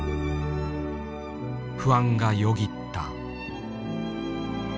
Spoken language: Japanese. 不安がよぎった。